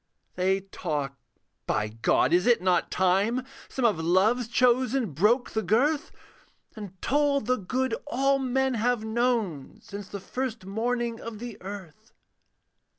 They talk; by God, is it not time Some of Love's chosen broke the girth, And told the good all men have known Since the first morning of the earth?